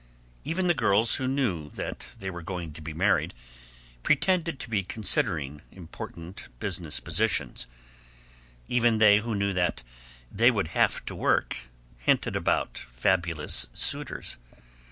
Even the girls who knew that they were going to be married pretended to be considering important business positions; even they who knew that they would have to work hinted about fabulous suitors.